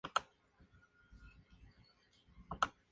Había nacido en la ciudad cordobesa de Laboulaye.